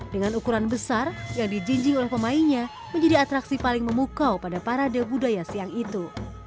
dengan ukuran besar yang dijinjing oleh pemainnya menjadi atraksi paling memukau pada parade budaya siang itu